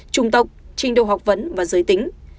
trung tộc trình độ học vấn và giới tính